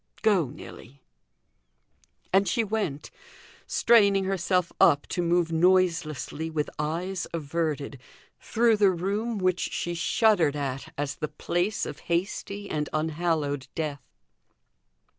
Go, Nelly." And she went; straining herself up to move noiselessly, with eyes averted, through the room which she shuddered at as the place of hasty and unhallowed death.